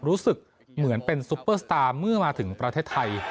รู้สึกเหมือนเป็นซุปเปอร์สตาร์เมื่อมาถึงประเทศไทย